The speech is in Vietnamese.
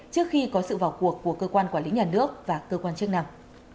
trước khi có sự vào cuộc của cơ quan quản lý nhà nước và cơ quan chức năng